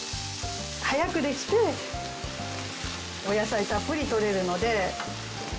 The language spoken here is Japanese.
早くできてお野菜たっぷりとれるので。